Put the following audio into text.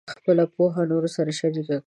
خپله پوهه نورو سره شریکه کړئ.